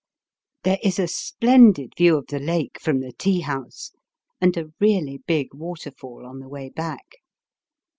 There is a splendid view of the lake from the tea house, and a really big waterfall on the way back.